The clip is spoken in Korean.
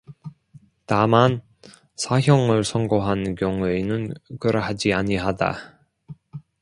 다만, 사형을 선고한 경우에는 그러하지 아니하다.